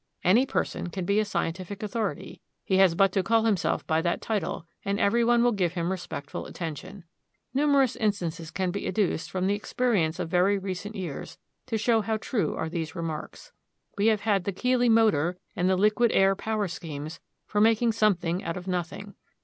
Any person can be a scientific authority; he has but to call himself by that title, and everyone will give him respectful attention. Numerous instances can be adduced from the experience of very recent years to show how true are these remarks. We have had the Keeley motor and the liquid air power schemes for making something out of nothing.